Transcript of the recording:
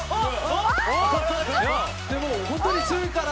本当に強いから。